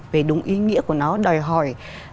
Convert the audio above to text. về đúng ý nghĩa của nó đòi hỏi